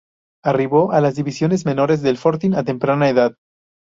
Arribó a las divisiones menores del Fortín a temprana edad.